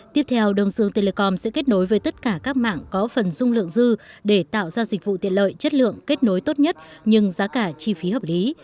tiếp theo đông dương telecom sẽ kết nối với tất cả các mạng có phần dung lượng dư để tạo ra dịch vụ tiện lợi chất lượng kết nối tốt nhất nhưng giá cả chi phí hợp lý